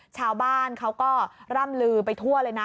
ชาวบ้านเขาก็ร่ำลือไปทั่วเลยนะ